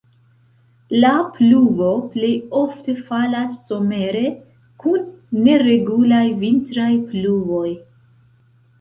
La pluvo plejofte falas somere, kun neregulaj vintraj pluvoj.